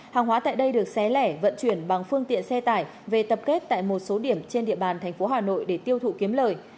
hàng hóa tại đây được xé lẻ vận chuyển bằng phương tiện xe tải về tập kết tại một số điểm trên địa bàn thành phố hà nội để tiêu thụ kiếm lời